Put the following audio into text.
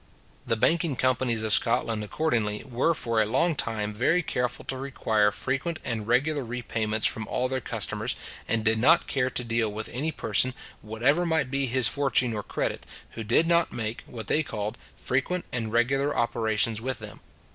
The banking companies of Scotland, accordingly, were for a long time very careful to require frequent and regular repayments from all their customers, and did not care to deal with any person, whatever might be his fortune or credit, who did not make, what they called, frequent and regular operations with them.